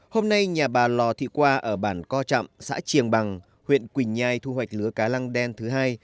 hôm nay nhà bà lò thị qua ở bản co trạm xã triềng bằng huyện quỳnh nhai thu hoạch lứa cá lăng đen thứ hai